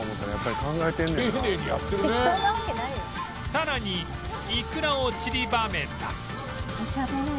さらにイクラをちりばめた